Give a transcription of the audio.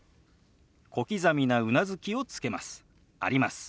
小刻みなうなずきをつけます。